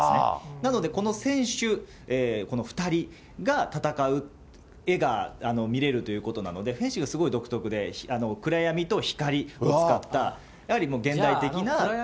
なので、この選手２人が戦う絵が見れるということなので、フェンシング、すごい独特で、暗闇と光を使った、やはり現代的な。